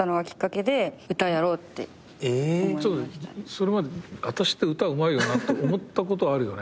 それまで「私って歌うまいよな」と思ったことあるよね？